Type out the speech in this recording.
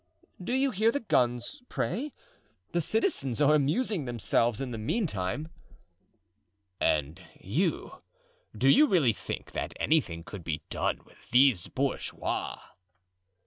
"Do you hear the guns, pray? The citizens are amusing themselves in the meantime." "And you—do you really think that anything could be done with these bourgeois?"